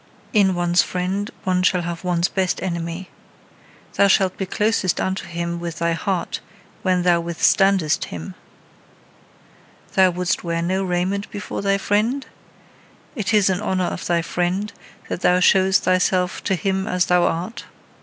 In one's friend one shall have one's best enemy. Thou shalt be closest unto him with thy heart when thou withstandest him. Thou wouldst wear no raiment before thy friend? It is in honour of thy friend that thou showest thyself to him as thou art?